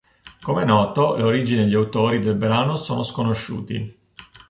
Come è noto le origini e gli autori del brano sono sconosciuti.